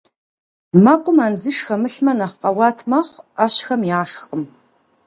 Мэкъум андзыш хэмылъмэ нэхъ къэуат мэхъу, ӏэщхэм яшхкъым.